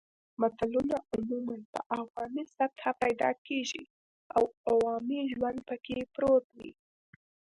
متلونه عموماً په عوامي سطحه پیدا کېږي او عوامي ژوند پکې پروت وي